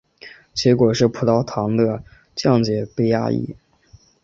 结果是葡萄糖的降解被抑制。